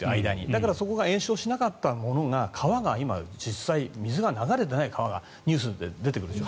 だからそこが延焼しなかったものが川が今実際、水が流れていない川がニュースで出てくるでしょ。